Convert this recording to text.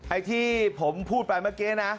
ไอ้ที่ผมพูดไปเมื่อกี้นะ